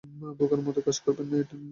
বোকার মত কাজ করবেননা, এডেন।